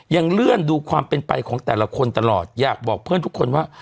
ยังเลื่อนดูความเป็นไปของแต่ละคนตลอดอยากบอกเพื่อนทุกคนว่า